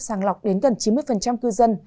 sàng lọc đến gần chín mươi cư dân